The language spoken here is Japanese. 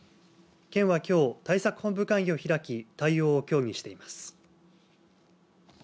県はきょう対策本部会議を開き対応を協議しています。